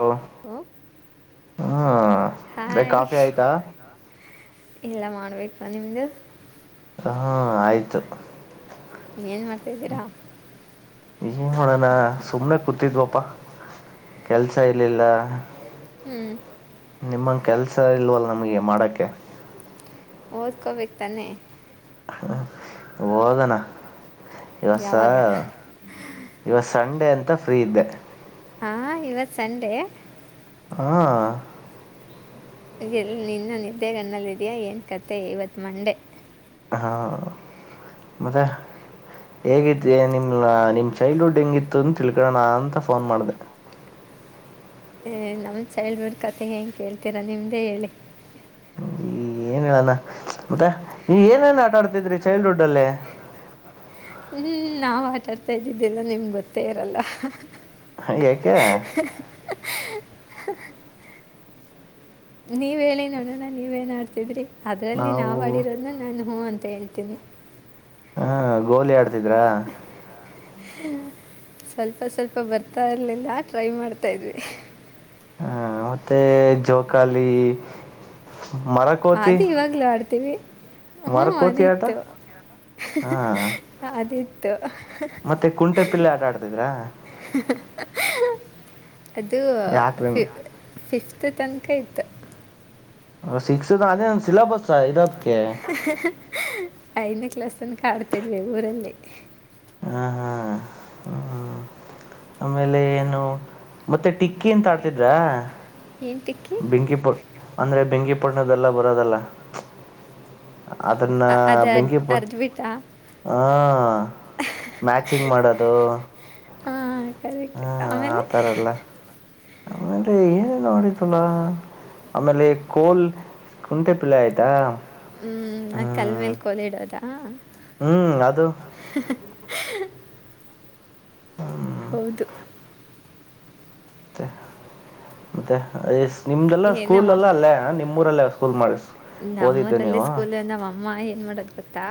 Hello ಓ ಹ್ಮ ಬೇ ಹಾಯ್ ಕಾಫಿ ಆಯ್ತಾ ಇಲ್ಲ ಮಾಡ್ಬೇಕು ನಿಮ್ಮದು ಹಾ ಆಯ್ತು. ಏನ್ ಮಾಡ್ತಾ ಇದ್ದೀರಾ ಏನ್ ನೋಡೋಣ ಸುಮ್ನೆ ಕೂತಿದ್ವಪ್ಪಾ ಕೆಲ್ಸ ಇಲ್ಲಿಿಲ್ಲ ಹ್ಮ್ ನಿಮ್ಮಂಗಗೆ ಕೆಲಸ ಇಲ್ವಲ್ಲ ನಮಗೆ ಮಾಡಕ್ಕೆ ಓದ್ಕೋ ಬೇಕ್ತಾನ ಹದನಾ ಇವಸ ಯಾವಾಗ ಇವಾಗ ಸಂಡೇ ಅಂತ ಫ್ರೀ ಇದ್ದೆ ಹಾ ಇವತ್ ಸಂಡೆ ಹಾ ಎಲ್ಲಿ ನಿನ್ನ ನಿದ್ದೆಗನ್ನಲ್ಲಿದೆಯಾ ಏನು ಕತೆೆ ಐವತ್ತು ಮಂಡೆ ಹಾ ಮತ್ತ ಹೇಗಿತಿ ನಿಮ್ ನಿಮ್ ಚೈಲ್ಡ್ಹುಡ್ ಹೆಂಗಿತ್ತು ಅಂತ ತಿಳ್ಕೊೋಣ ಅಂತ ಫೋನ್ ಮಾಡಿದೆ ಏ ನಮ್ ಚೈಲ್ಡ್ಹುಡ್ ಕತೆೆ ಹೆಂಗಗೆ ಕೇಳ್ತೀರಾ ನಿಮ್ದೇ ಹೇಳಿ ಏನ್ ಹೇಳಣ ಮತ್ತೆ ನೀವ್ ಏನನ್ ಆಟಾಡ್ತಿದ್ರಿ ಚೈಲ್ಡ್ಹುಡ್ ಅಲ್ಲೇ ಹ್ಮ್ ನಾವ್ ಆಟಾಡ್ತಾ ಇದ್ದಿದ್ದೀಿಲ್ಲ ನಿಮ್ ಗೊತ್ತೇ ಇರಲ್ಲ ಹ ಯಾಕೆ ನೀವ ಹೇಳಿ ನೋಡೋಣ ನೀವೇಏನ್ ಆಡ್ತಿದ್ರಿ ಅದರಲ್ಲಿ ನಾವು ಆಡಿರೋದನ್ನ ನಾನು ಹ್ಞೂ ಅಂತ ಹೇಳ್ತೀನಿ ಹಾ ಗೋಲಿ ಆಡ್ತಿದ್ರಾ ಸ್ವಲ್ಪ ಸ್ವಲ್ಪ ಬರ್ತಾ ಇರಲಿಲ್ಲ ಟ್ರೈ ಮಾಡ್ತಾಯಿದ್ವಿ ಹಾ ಮತ್ತೆ ಜೋಕಾಲಿ ಮರಕೋತಿ ಅದು ಇವಾಗ್ಲ ಆಡ್ತೀವಿ ಹ್ಮ ಮರಕೋತಿ ಆಟ ಅದಿತ್ತು ಹಾ ಅದಿತ್ತು ಮತ್ತೆ ಕುಂಟೆ ಪಿಲ್ಲೆ ಆಟ ಆಡ್ತಿದ್ರಾ ಅದು ಯಾಕ್ರಿ ಫಿಫತ್ ತನಕ ಇತ್ತು ಸಿಕ್ಸ್ ಅ ಸಿಲೆಬಸ್ ಐನ ಕ್ಲಾಸನ್ನು ಕಡ್ತೇಿದ್ವಿ ಊರಲ್ಲಿ ಹಾ ಹಾ ಹ್ಮ ಹ ಆಮೇಲೆ ಏನು ಮತ್ತೆ ಟಿಕ್ಕಿ ಎಂತ ಆಡ್ತಿದ್ರಾ ಏನ್ಟ ಬೆಂಕಿ ಪ ಅಂದ್ರೆ ಬೆಂಕಿ ಪಣ್ಣದೆಲ್ಲ ಬರೋದಲ್ಲ ಅದನ್ನ ಅದು ಬೆಂಕಿಪ್ಪಳ ಅರ್ಧಬಿಟ್ಟ ಹ ಮ್ಯಾಚಿಂಗ್ ಮಾಡೋದು ಹಾಂ ಕರೆಕ್ಟ್ ಹ್ಮ್ ಆಮೇಲೆ ಆತರಲ್ಲ ಆಮೇಲೆ ಏನ ನೋಡಿತಲಾ ಆಮೇಲೆ ಕೋಲ್ ಕುಂಟೆ ಪಿಲ್ಲೆ ಆಯ್ತಾ ಹ್ಮ್ ನಾ ಕಲ್ ಹ್ಮ್ ಮೇಲ್ ಕೋಲಿಡೋದ ಹ್ಮ್ ಅದು ಹ ಹೌದು ತ್ತ ನಿಮ್ದೆಲ್ಲ ಏ ನಮ್ಮ ಸ್ಕೂಲ್ ಅಪ್ಪ ಎಲ್ಲ ಅಲ್ಲೇ ನಿಮ್ಮೂರಲ್ಲೇ ಸ್ಕೂಲ್ ಮಾಡ ಓದಿದ್ದೆ ನೀವು ಅಮ್ಮ ಏನ್ ಮಾಡೋದು ಗೊತ್ತಾ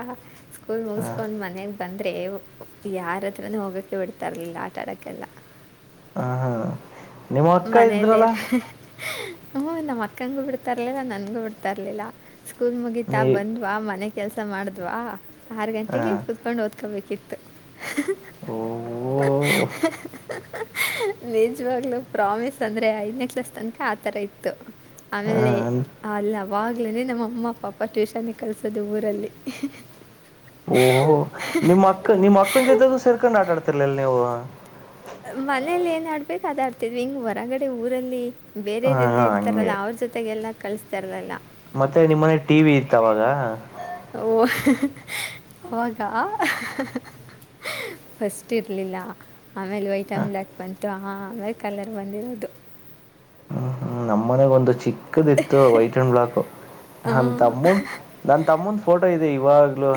ಸ್ಕೂಲ್ ಮುಗಿಸ್ಕೊಂಡ್ ಮನೆಗೆ ಬಂದರೆೆ ಯಾರದ್ರ ಹೋಗೋಕ್ಕೆ ಬಿಡ್ತಾರಲಿಲ್ಲ ಆಟ ಆಡೋಕ್ಕೆಲ್ಲ ಹ ಹಾ ನಿಮ್ಮ್ ಅಕ್ಕ ಇದ್ರಲ್ಲಾ ಹೂ ನಮ್ಮ ಅಕ್ಕನ್ಂಗೂ ಬಿಡ್ತರ್ಲಿಲ್ಲ ನನ್ಗೂ ಬಿಡ್ತರ್ಲಿಲ್ಲ ಸ್ಕೂಲ್ ಮುಗೀತಾ ನೀ ಬಂದ್ವಾ ಮನೆ ಕೆಲ್ಸ ಮಾಡಿದ್ವಾ ಆರು ಹ ಗಂಟೆಗೆ ಕುತ್ಕೊಂಡು ಓದ್ಕೋಬೇಕಿತ್ತು ಓ ನೀಜ ವಾಗಲು ಪ್ರಾಮಿಸ್ ಅಂದ್ರೆ ಐದ್ನೇ ಕ್ಲಸ್ ತನಕ ಆತರ ಇತ್ತು ಆಮೇಲೆ ಹ ಅಲ್ಲ ಅವಾಗಲೇೇ ನಮ್ಮ ಅಮ್ಮ ಪಾಪ ಟ್ಯೂಷನಿಗೆ ಕಲಿಸೋದು ಊರಲ್ಲಿ ಓಹ ನಿಮ್ಮ್ ಅಕ್ಕ ನಿಮ್ಮ್ ಅಕ್ಕನ ಜೊತೆಗೂ ಸೇರ್ಕೊಂಡು ಆಟಾಡ್ತಿರ್ಲಿಲ್ಲ ನೀವು ಮನೇೆಯಲ್ಲಿ ಏನ್ ಆಡ್ಬೇಕು ಅದ ಆಡ್ತಿದ್ವಿ ಹಿಂಗ್ ಹೊರಗಡೆ ಊರಲ್ಲಿ ಹ ಬೇರೆಯವರೆಲ್ಲಾ ಇರ್ವಿ ಹಂಗೆ ಇತಾರಲ್ಲ ಅವ್ರ ಜೊತೆಗೆಲ್ಲ ಕಳಿಸತಾ ಇರ್ಲಿಲ್ಲ ಮತ್ತೆ ನಿಮ್ಮನೆ ಟಿ ವಿ ಇತ್ತ ಅವಾಗ ಓ ಅವಾಗ ಫಸ್ಟ್ ಇರಲಿಲ್ಲ ಆಮೇಲೆ ವೈಟ್ ಆ್ಯಂಡ್ ಬ್ಲ್ಯಾಕ್ ಬಂತು ಆಮೇಲೆ ಕಲರ್ ಬಂದಿರೋದು ಹೂ ನಮ್ಮ ಮನಗ್ ಒಂದು ಚಿಕ್ಕದ ಇತ್ತು ವೈಟ್ ಅಂಡ್ ಬ್ಲಾಕ್ ನನ್ ತಮ್ಮು ನನ್ನ ತಮ್ಮನ ಫೋಟೋ ಇದೆ ಇವಾಗಲು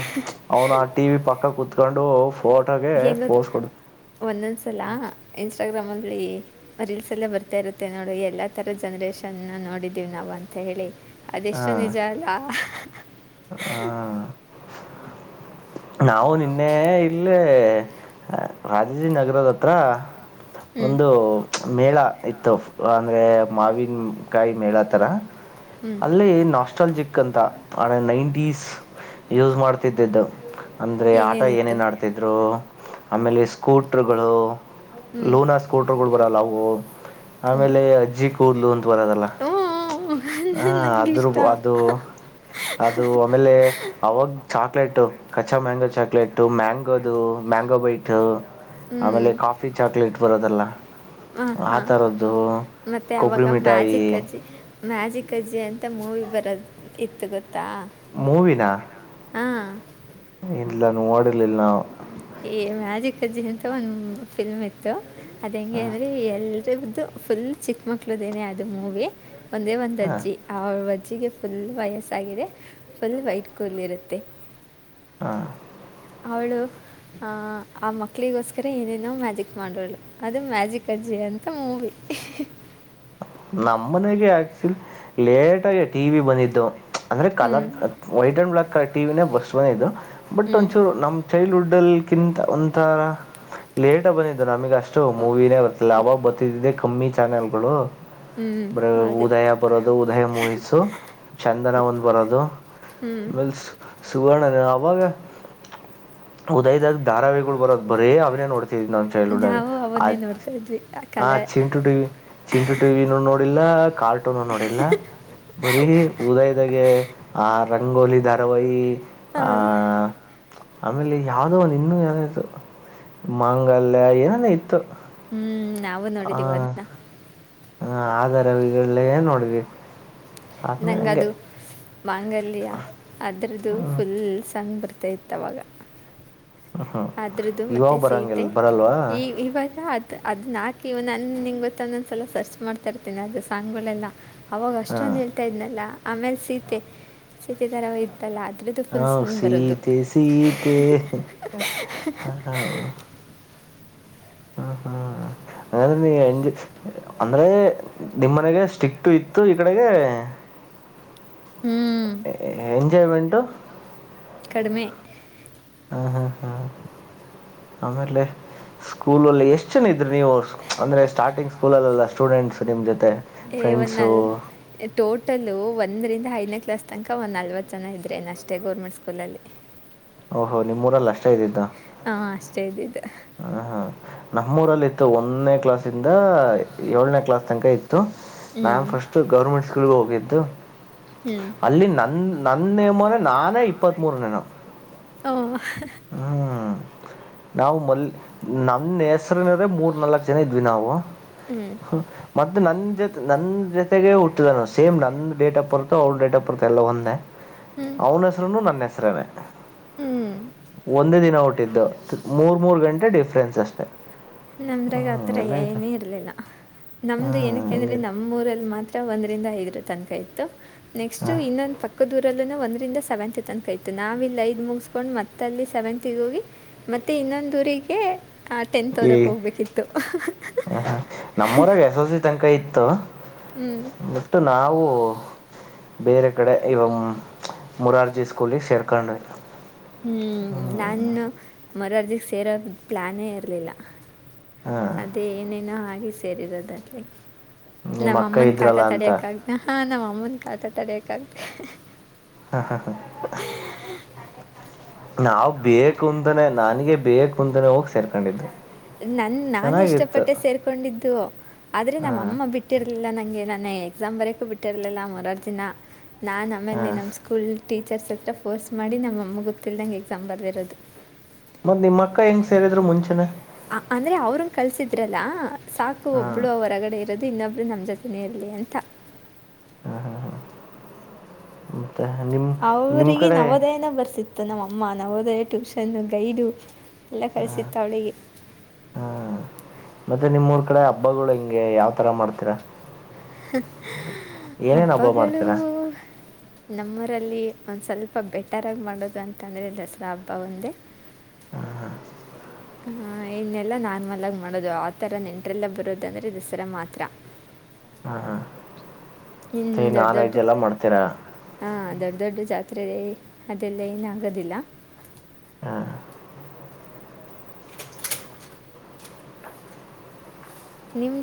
ಅವ್ನು ಆ ಟಿ ವಿ ಪಕ್ಕ ಕುೂತ್ಕೊಂಡು ಫೋಟೋಗೆ ಹೆಂಗೆ ಗೊತ್ತು ಪೋಸ್ ಕೊಡುತ ಒಂದೊಂದು ಸಲ ಇನ್ಸ್ಟಾಗ್ರಾಮಲ್ಲಿ ರೀಲ್ಸ್ಲ್ಲೇ ಬರ್ತಾ ಇರುತ್ತೆ ನೋಡು ಎಲ್ಲಾ ತರ ಜನ್ರೇಷನ್ ನೋಡಿದ್ದೀವಿ ನಾವು ಅಂತ ಹೇಳಿ ಅದೆಷ್ಟು ಹ ನಿಜ ಅಲ್ಲಾ ಹ ನಾವು ನಿನ್ನೆ ಇಲ್ಲೇ ರಾಜಾಜಿ ನಗರದ ಹತ್ರ ಹ್ಞೂ ಒಂದು ಮೇಳ ಇತ್ತು ಅಂದ್ರೆ ಮಾವಿನಕಾಯಿ ಮೇಳ ತರ ಹ್ಞೂ ಅಲ್ಲಿ ನಾಸ್ಟಲ್ ಜಿಕ್ ಅಂತ ಆಣ ನೈಂಟೀಸ್ ಯೂಸ್ ಮಾಡ್ತಿದ್ದಿದ್ದು ಅಂದ್ರರೆ ಆಟ ಏನೇನಿತ್ತು ಏನೇನು ಆಡ್ತ ಇದ್ರು ಆಮೇಲೆ ಸ್ಕೂಟರ್ಗಳು ಹ್ಞೂ ಲೋನ್ ಹಸ್ ಕೊಟ್ರ ಕೊಡ್ ಬರಲ್ಲ ಅವು ಹ್ಞೂ ಆಮೇಲೆ ಅಜ್ಜಿ ಕೂದಲು ಅಂತ ಬರದಲ್ಲ ಹ ಹ್ಞೂ ನಂಗೆ ಅದ್ರ ಇಷ್ಟ ಅದು ಅದು ಆಮೇಲೆ ಅವಾಗ ಚಾಕ್ಲೇಟ ಕಚ್ಚಾ ಮ್ಯಾಂಗೋ ಚಾಕ್ಲೇಟ್ು ಮ್ಯಾಂಗೋದು ಮ್ಯಾಂಗೋ ಬೈಟ್ ಹ್ಞೂ ಆಮೇಲೆ ಕಾಫಿ ಚಾಕ್ಲೇಟ್ ಬರೋದಲ್ಲ ಹ ಆ ಹಾ ಥರದ್ದು ಮತ್ತೆ ಕೊಬ್ಬರಿ ಅವಾಗ ಮಿಠಾಯಿ ಮ್ಯಾಜಿಕ್ ಅಜ್ಜಿ ಮ್ಯಾಜಿಕ್ ಅಜ್ಜಿ ಅಂತ ಮೂವಿ ಬರೋದು ಇತ್ತು ಗೊತ್ತಾ ಮೂವಿನ ಹಾಂ ಇಲ್ಲ ನಾ ನೋಡಿರಲಿಲ್ಲ ಏ ಮ್ಯಾಜಿಕ್ ಅಜ್ಜಿ ಅಂತ ಒಂದ್ ಫಿಲ್ಮ್ ಇ ಇತ್ತು ಅದ್ ಹೆಂಗೆ ಅಂದ್ರೆ ಎಲ್ರ್ದು ಫುಲ್ ಚಿಕ್ಕ ಮಕ್ಳದೇನನೆ ಅದು ಮೂವಿ ಒಂದೇ ಒಂದು ಹ ಅಜ್ಜಿ ಆ ಅಜ್ಜಿಗೆ ಫುಲ್ ವಯಸ್ಸಾಗಿದೆ ಫುಲ್ ವೈಟ್ ಕೂಲ್ ಇರುತ್ತೆ ಹಾ ಅವಳು ಆ ಮಕ್ಳಿಗೋಸ್ಕರ ಏನೇನೋ ಮ್ಯಾಜಿಕ್ ಮಾಡೋವಳು ಅದು ಮ್ಯಾಜಿಕ್ ಅಜ್ಜಿ ಅಂತ ಮೂವಿ ನಮ್ಮ ಮನೆಗೆ ಆಕ್ಚುಲಿ ಲೇಟಗ ಟಿ ವಿ ಬಂದಿದ್ದು ಅಂದ್ರೆ ಹ್ಞೂ colour white and black ಟಿವ ವಿನೇ ಬಸ್ಟ್ವೇ ಇದು ಬಟ್ ಹ್ಞೂ ಒಂಚೂರು ನಮ್ಮ ಚೈಲ್ಡ್ ಹುಡ್ ಅಲ್ಲಿ ಕಿಂತ ಒಂಥರ ಲೇಟ್ ಬಂದಿದ್ದು ನಮಗ ಅಷ್ಟ ಅಷ್ಟು ಮೂವಿನೇ ಬರುತ್ತ ಇರ್ಲಿಲ್ಲ ಅವಾಗ ಬರ್ತಿದೆ ಕಮ್ಮಿ ಚಾನೆಲ್ ಗಳು ಹ್ಞೂ ಬ ಹೌದು ಉದಯ ಬರೋದು ಉದಯ ಮೂವಿಸು ಚಂದನ ಒಂದ್ ಬರೋದು ಹೂ ಸುವರ್ಣ ಅವಾಗ ಉದಯದಾಗ ಧಾರಾವಿಗಳು ಬರೋದು ಬರೇ ಅವನೇ ನೋಡ್ತಿದ್ ನ ೈಡ ನಾವು ಆ ಅವನ್ನೇ ನೋಡ್ತಾ ಇದ್ವಿ ಆ ಹ ಕಲೆ ಚಿಂಟು ಟಿ ವಿ ಚಿಂಟು ಟಿವಿನ ನೋಡಿಲ್ಲ ಕಾರ್ಟೂನು ನೋಡಿಲ್ಲ ಬರೀ ಉದಯದಾಗೆ ಆ ರಂಗೋಲಿ ಧಾರವಾಹಿ ಆ ಆಮೇಲೆ ಯಾವ್ದೋ ಒಂದು ಇನ್ನುೂ ಏನ ಇತ್ತು ಮಾಂಗಲ್ಯ ಏನಾನ ಇತ್ತು ಹೂ ನಾವು ನೋಡಿದೀವಿ ಅದ್ನ ಹ ಆಾರ ಅವಲ್ಲ ಏನ್ ನೋಡಿದ್ವಿ ಆಮೇಲೆ ಹಂಗೆ ನಂಗದು ಮಾಂಗಲ್ಯ ಅದರದ್ದು ಹ್ಞೂ ಫುಲ್ ಸಾಂಗ್ ಬರ್ತೈತ್ತು ತವಾಗ ಹ್ಞೂ ಅದ್ರುದು ಇವಾಗ ಮತ್ತುತ್ತೆ ಸೀತೆ ಬರೋಂಗಿಲ್ಲ ಬರಲ್ವಾ ಈ ಇವಾಗದು ಅದನ್ನ ನಾಕಿ ಇವ ನನ್ ನಿಂಗ ಗೊತ್ತಂದೊಂದ್ಸಲ ಸರ್ಚ್ ಮಾಡ್ತಾ ಇರ್ತೀನಿ ಅದು ಸಾಂಗ್ಗಳೆಲ್ಲ ಅವಾಗ ಹಾಂ ಅಷ್ಟೊಂದು ಹೇಳ್ತಾ ಇದ್ನಲ್ಲ ಆಮೇಲೆ ಸೀತೆ ಸೀತೆ ತರ ಇತ್ತಲ್ಲ ಅದ್ರದ್ದ ಹಾ ಸೀತೆ ಸೀತೆ ಹ ಹ ಹೂ ಹೂ ಅ್ರೆಜ ಅಂದ್ರೆ ನಿಮ್ಮ್ನೆಗೆ ಸ್ಟಿಕ್ು ಇತ್ತು ಈ ಕಡೆಗೆ ಹ್ಞೂ ಎಂಜಾಯ್ಮೆಂಟ್ು ಕಡಿಮೆ ಹೂ ಹೂ ಹಾ್ ಆಮೇಲೆ ಸ್ಕೂಲಲ್ಲಿ ಎಷ್ಟು ಜನ ಇದ್ದರು ನೀವು ಅಂದರೆ ಸ್ಟಾರ್ಟಿಂಗ್ ಸ್ಕೂಲಲ್ಲೆಲ್ಲ ಸ್ಟೂಡೆಂಟ್ಸ್ ನಿಮ್ಮ ಜೊತೆ ಎ ಫ್ರೆಂಡ್ಸು ಹೊನ್ನಾಲ್ ಟೋಟಲು ಒಂದರಿಂದ ಐದನೇ ಕ್ಲಾಸ್ ತನಕ ಒಂದ ನಲ್ವತ್ತು ಜನ ಇದ್ರೆ ಅಷ್ಟೇ ಗೋರ್ಮೆಂಟ್ ಸ್ಕೂಲಲ್ಲಿ ಓಹೋ ನಿಮ್ಮ್ೂರಲ್ಲ ಅಷ್ಟ ಇದ್ದಿದ್ದ ಹಾ ಅಷ್ಟೇ ಇದ ಇದು ಹ ಹಾ ನಮ್ಮೂಊರಲ್ಲಿ ಇತ್ತು ಒಂದನೇ ಕ್ಲಾಸ್ಂದ ಏಳನೇ ಕ್ಲಾಸ್ ತನಕ ಇತ್ತು ಹ್ಞೂ ಮ್ಯಾಮ್ ಫಸ್ಟ್ ಗೌರ್ಮೆಂಟ್ ಸ್ಕೂಲ್ಗೆ ಹೋಗಿದ್ದು ಹ್ಞೂ ಅಲ್ಲಿ ನನ್ ನನ್ನೇಮ್ಮನೆ ನಾನೇ ಇಪ್ಪತ್ ಮೂೂರ ನೇನು ಹಓ ಹೂ ನಾವು ಮಲ್ ನನ್ನ ಹೆಸರಿನ್ರೆ ಮೂರ್ ನಾಲ್ಕ್ು ಜನ ಇದ್ವಿ ನಾವು ಹೂ ಮತ್ತೆ ನನ್ ಜೊತೆ ನನ್ ಜೊತೆಗೆ ಹುಟ್ಟಿದಾನ ಸೇಮ್ ನನ್ ಡೇಟ್ ಆಫ್ ಬರುತ್ತೋ ಅವ್ರ ಡೇಟ್ ಆಫ್ ಬರುತ್ತೋ ಎಲ್ಲ ಒಂದೆ ಅವನು ಹೆಸರುನು ನನ್ನ ಹೆಸರೇನ ಹೂ ಒಂದೇ ದಿನ ಹುಟ್ಟಿದು ಮೂರ್ ಮೂರ್ ಗಂಟೆ ಡಿಫ್ರೆನ್ಸ್ ಅಷ್ಟೆ ಹ್ಮ್ ನಮ್ರಾಗತ್ರ ಎಲ್ಲ ಆಯ್ತಾ ಏನ ಇರ್ಲಿಲ್ಲ ಹಾ ನಮ್ದು ಏನಕ್ಕೆ ಅಂದ್ರರೆ ಹಂಗೈತ ನಮ್ಮೂಊರಲ್ಲಿ ಮಾತ್ರ ಒಂದರಿಂದ ಐದರ ತನಕ ಇತ್ತು ನೆಕ್ಸ್ಟ್ ಹ ಇನ್ನೊಂದು ಪಕ್ಕ ದೂರಲ್ಲಿ ಒಂದರಿಂದ ಸೆವೆಂತ್ ತನ್ಕಾಯತು ನಾವ ಇಲ್ಲಿ ಐದು ಮುಗಸ್ಕೊಂಡ್ ಮತ್ತ ಅಲ್ಲಿ ಸೆವೆಂತ್ಗ ಹೋಗಿ ಮತ್ತೆ ಇನ್ನೊಂದ್ ಊರಿಗೆ ಆ ಟೆಂತ್ ಹಓದ ಏ ಹ ಹ ನಮ್ಮೂರಾಗ ಎಸ್ಸೆಸ್ಸೆಲ್ಸಿ ತನಕ ಇತ್ತು ಹೂ ಬಿಟ್ಟು ನಾವು ಬೇರೆ ಕಡೆ ಇವ ಮುರಾರ್ಜಿ ಸ್ಕೂಲಿ ಸೇರ್ಕೊಂಡ್ವಿ ಹೂ ಹ್ಮ್ ನಾನು ಮುರಾರ್ಜಿ ಸೇರೋದು ಪ್ಲಾನೇ ಇರ್ಲಿಲ್ಲ ಹ್ಮ್ ಅದೇ ಏನೇನೋ ಹಾಗೆ ಸೇರಿರೋದಲ್ಲಿ ನಿಮ್ಮ ನಮ್ಮ ಅಕ್ಕ ಅಮ್ಮನ್ ಕಾಟ ಇದ್ರಲ್ಲ ಅಂತ ತಡಿಯಕ್ ಆಗ್ದ ನಮ್ಮಮ್ಮನ್ ಕಾಟ ತಡಿಯಕ್ ಆಗ್ದ ಹಾ ಹಾ ಹಾ ನಾವು ಬೇಕು ಅಂತಾನೇ ನನಗೆ ಬೇಕು ಅಂತಾನೇ ಹೋಗಿ ಸೇರ್ಕೊಂಡಿದ್ದು ನನ್ ಚೆನ್ನಾಗಿತ್ತು ನಾನುಇಷ್ಟಪಟ್ಟೆ ಸೇರ್ಕೊಂಡಿದ್ದು ಆದ್ರೆ ಹಾ ನಮ್ಮ ಅಮ್ಮ ಬಿಟ್ಟಿರ್ಲಿಲ್ಲ ನಂಗೆ ನನ್ನ ಎಕ್ಸಾಮ್ ಬರಕೂ ಬಿಟ್ಟಿರ್ಲಿಲ್ಲ ಮುರಾರ್ಜಿನ ನಾನು ಹಾ ಆಮೇಲೆ ನಮ್ಮ ಸ್ಕೂಲ್ ಟೀಚರ್ಸ್ ಹತ್ರ ಫೋರ್ಸ್ ಮಾಡಿ ನಮ್ಮಮ್ಮ ಗೊತ್ತ ತಿಿಲ್ಲದಂಗೆ ಎಕ್ಸಾಮ್ ಬರೆದಿರೋದು ಮತ್ತತ್ ನಿಮ್ಮ ಅಕ್ಕ ಹೆಂಗ್ ಸೇರಿದ್ರು ಮುಂಚೆನೆ ಅಂದರೆ ಅವ್ರನ್ನು ಕಳಿಸಿದ್ರಲ್ಲ ಸಾಕು ಹಾ ಒಬ್ಳು ಅವರಗಡೆ ಇರೋದು ಇನ್ನೊಬ್ರು ನಮ್ಮ ಜೊತೆನೇ ಇರಲಿ ಅಂತ ಹ ಹಾ ಹಾ ಹೂ ನಿಮ್ಮ ಅವರಿಗೆ ನವೋದಯನ ಬರ್ಸಿತ್ತು ಮ ನಮ್ಮ ಅಮ್ಮ ನಾವು ಹೋದೇ ಟ್ಯೂಷನ್ ಗೈಡು ಎಲ್ಲ ಕಳಸಿತ್ತ ಅವಳಿಗೆ ಹೂ ಮತ್ತೆ ನಿಮ್ೂರ್ ಕಡೆ ಹಬ್ಬಗಳು ಹೆಂಗೆ ಯಾವ್ ತರ ಮಾಡ್ತೀರಾ ಏನೇನ್ ಹಬ್ಬ ಹಬ್ಬಗಳು ಮಾಡ್ತೀರಾ ನಮ್ಮೂರಲ್ಲಿ ಒಂದು ಸ್ವಲ್ಪ ಬೆಟರಾಗಿ ಮಾಡೋದು ಅಂತಂದರೆ ದಸರಾ ಹಬ್ಬ ಒಂದೇ ಹಾ ಹಾ ಹ ಇನ್ನೆಲ್ಲ ನಾರ್ಮಲ್ ಆಗಿ ಮಾಡೋದು ಆತರ ನೆಂಟ್ರೆಲ್ಲ ಬರೋದಂದ್ರೆ ದಸರಾ ಮಾತ್ರ ಹಾ ಮೆ ನಾನ್ ವೆಜ್ ಎಲ್ಲ ಮಾಡ್ತೀರಾ ಹಾ ದೊಡ್ಡ ದೊಡ್ಡ ಜಾತ್ರೆ ಅದೆಲ್ಲ ಏನ ಆಗೋದಿಲ್ಲ ಹಾ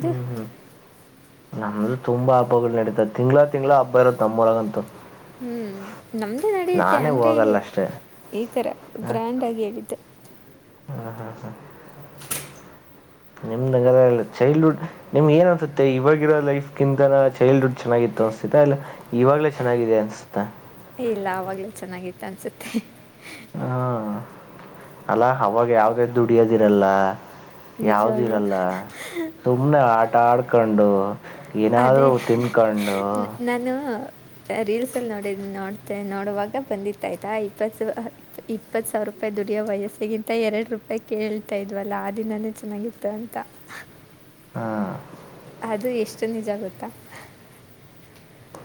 ಹೂ ಹೂ ನಮ್ಮ ತುಂಬಾ ಹಬ್ಬಗಳು ನಡೀತೆ ತಿಂಗ್ಗಳಾ ತಿಂಗಳ ಹಬ್ಬ ಇರೋತ್ ನಮ್ಮೂಲಗಂತು ಹೂ ನಮ್ಮದೇ ನಡೆಯುತ್ತೆ ಅಂದರೆ ಹೋಗಲ್ಲ ಅಷ್ಟೇ ಈ ಥರ ಗ್ರ್ಯಾಂಡಾಗಿ ಹೇಳಿದ್ದ ಹಾ ಹಾ ಹಾ ಹ ನಿಮ್ದಲ ಚೈಲ್ಡ್ಹುಡ್ ನಿಮ್ಗೆ ಏನ್ುತ್ತೆ ಇವಾಗಿರೋ ಲೈಫ್ ಕಿಂತ ಚೈಲ್ಡ್ಹುಡ್ ಚೆನ್ನಾಗಿತ್ತು ಅಸತಿತಾ ಇಲ್ಲ ಇವಾಗ್ಲೇ ಚೆನ್ನಾಗಿದೆ ಅನ್ಸತಾ ಇಲ್ಲ ಆವಾಗಲೇ ಚೆನ್ನಾಗಿತ್ತು ಅನಿಸುತ್ತೆ ಹ ಅಲ್ಲಾ ಅವವಾಗ ಯಾವ್ದೇ ದುಡಿಯೋದಿರಲ್ಲ ಯಾವ್ದು ನಿಜವಾಗ್ಲೂ ಇರಲ್ಲ ಸುಮ್ನೆ ಆಟ ಆಡ್ಕೊಂಡು ಅದೇ ಏನಾದ್ೂ ತಿನ್ ನಾನು ರೀಲ್ಸ್ ಅಲ್ಲಿ ನೋಡ ನೋಡ್ತೆ ನೋಡುವಾಗ ಬಂದಿತ್ತ ಆಯ್ತಾ ಇಪ್ಪತ್ತು ಇಪ್ಪತ್ ಸಾವಿರ ರೂಪಾಯಿ ದುಡಿಯೋ ವಯಸ್ಸೆಗಿಂತ ಎರಡು ರೂಪಾಯಿ ಕೇಳ್ತಾ ಇದ್ವಲ್ಲ ಆದ ದಿನನೇ ಚೆನ್ನಾಗಿತ್ತ ಅಂತ ಹಾ ಅದು ಎಷ್ಟು ನಿಜ ಗೊತ್ತಾ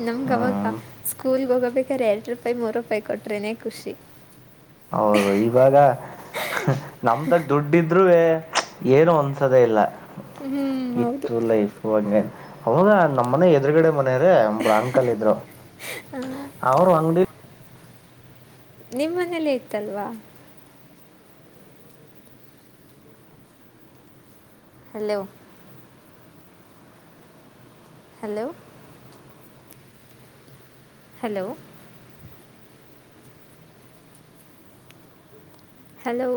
ನಮ್ಗೆ ಹ್ಞೂ ಅವಾಗ ಸ್ಕೂಲ್ ಹೋಗಬೇಕಾದ್ರೆ ಎರಡು ರೂಪಾಯಿ ಮೂರು ರೂಪಾಯಿ ಕೊಟ್ರೇನೆ ಖುಷಿ ಹೌದು ಇವಾಗ ನಮ್ದಾಗ ದುಡ್ಡಿದ್ೂೇ ಏನೂ ಅನ್ಿಸೋದೇ ಇಲ್ಲ ಹ್ಞೂ ಹೌದು ಇತ್ತು ಲೈಫ್ ಓ ಹಂಗೆ ಅವಾಗ ನಮ್ಮನೆ ಎದುರುಗಡೆ ಮನೆಯವ್ರೆ ಒಬ್ರಂಕಲ್ ಇದ್ರು. ಅವ್ರು ಅಂಗ್ಡಿ ನಿಮ್ಮನೇಲ್ಲೇ ಇತ್ತಲ್ವಾ? Hello hello hello hello